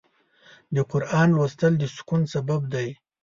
د قرآن لوستل د سکون سبب دی.